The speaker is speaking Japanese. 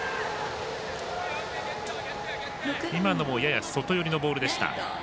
今のもやや外寄りのボールでした。